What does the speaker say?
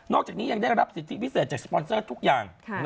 จากนี้ยังได้รับสิทธิพิเศษจากสปอนเซอร์ทุกอย่าง